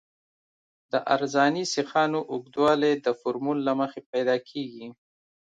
د عرضاني سیخانو اوږدوالی د فورمول له مخې پیدا کیږي